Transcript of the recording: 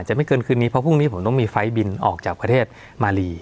ไม่เกินคืนนี้เพราะพรุ่งนี้ผมต้องมีไฟล์บินออกจากประเทศมาลี